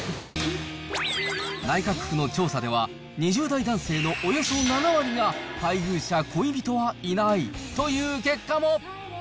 内閣府の調査では、２０代男性のおよそ７割が、配偶者、恋人はいないという結果も。